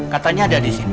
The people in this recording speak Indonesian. katanya ada di sini